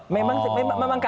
memang kami tidak